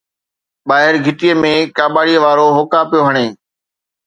ٻاهر گھٽيءَ ۾ ڪاٻاڙي وارو هوڪا پيو هڻي